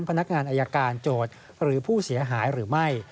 พนักงานอายการโจทย์หรือผู้เสียหายหรือไม่